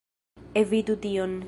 Evitu tion!